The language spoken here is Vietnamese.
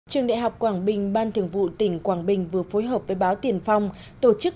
trường đại học quảng bình ban thường vụ tỉnh quảng bình vừa phối hợp với báo tiền phong tổ chức